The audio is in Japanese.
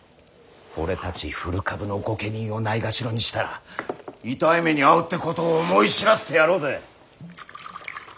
俺たち古株の御家人をないがしろにしたら痛い目に遭うってことを思い知らせてやろうぜ。